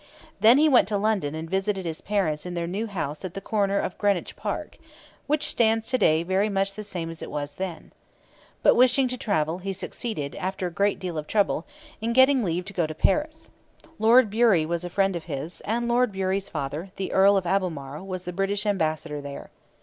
Then he went to London and visited his parents in their new house at the corner of Greenwich Park, which stands to day very much the same as it was then. But, wishing to travel, he succeeded, after a great deal of trouble, in getting leave to go to Paris. Lord Bury was a friend of his, and Lord Bury's father, the Earl of Albemarle, was the British ambassador there.